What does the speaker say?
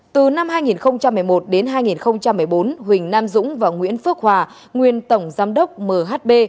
từ năm hai nghìn một mươi một đến hai nghìn một mươi bốn huỳnh nam dũng và nguyễn phước hòa nguyên tổng giám đốc mhb